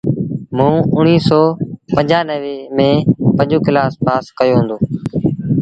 موݩ اُڻيٚه سو پنجآنويٚ ميݩ پنجون ڪلآس پآس ڪيو هُݩدو۔